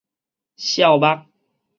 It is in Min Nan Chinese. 數目